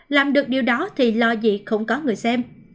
làm được điều đó thì lo gì không có người xem